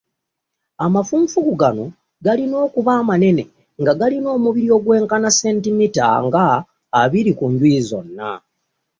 Amafunfugu gano galina okuba amanene, nga galina omubiri ogwenkana sentimiita nga abiri ku njuyi zonna.